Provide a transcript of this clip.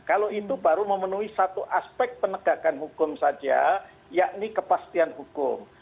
kalau itu baru memenuhi satu aspek penegakan hukum saja yakni kepastian hukum